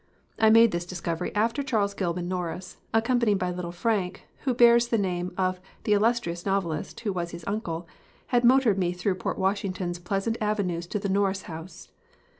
I made this discovery after Charles Gilman 19 LITERATURE IN THE MAKING Norris accompanied by little Frank, who bears the name of the illustrious novelist who was his uncle had motored me through Port Washing ton's pleasant avenues to the Norris house.